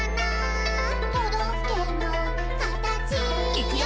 「いくよ！